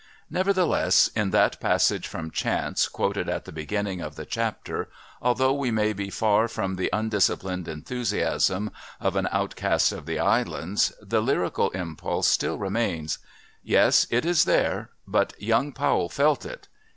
Nevertheless, in that passage from Chance quoted at the beginning of the chapter, although we may be far from the undisciplined enthusiasm of An Outcast of the Islands, the lyrical impulse still remains. Yes, it is there, but "Young Powell felt it."